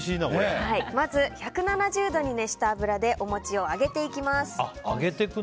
まず、１７０度に熱した油でおもちを揚げていきます。